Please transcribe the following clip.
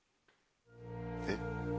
えっ？